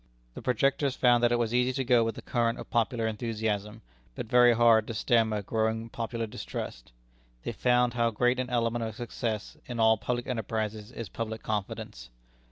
The projectors found that it was easy to go with the current of popular enthusiasm, but very hard to stem a growing popular distrust. They found how great an element of success in all public enterprises is public confidence.